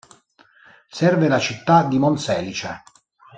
Serve la città di Monselice.